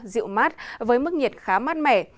dịu mát với mức nhiệt khá mát mẻ